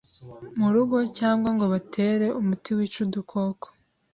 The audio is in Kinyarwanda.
mu rugo cyangwa ngo batere umuti wica udukoko